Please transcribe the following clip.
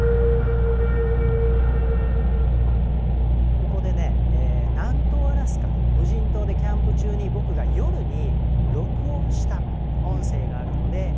ここでね南東アラスカで無人島でキャンプ中に僕が夜に録音した音声があるので聞いてもらいます。